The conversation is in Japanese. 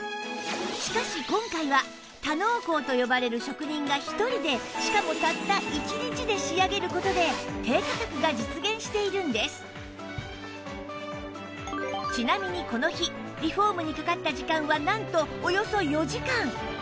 しかし今回は多能工と呼ばれる職人が１人でしかもちなみにこの日リフォームにかかった時間はなんとおよそ４時間！